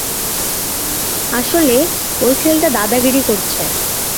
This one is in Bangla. আসলে, এই ছেলেটা দাদাগিরি করছে।